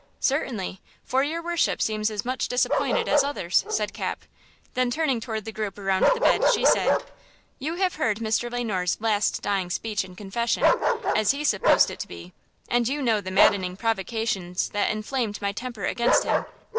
"Certainly, for your worship seems as much disappointed as others!" said Cap. Then turning toward the group around the bed, she said: "You have heard Mr. Le Noir's 'last dying speech and confession,' as he supposed it to be; and you know the maddening provocations that inflamed my temper against him.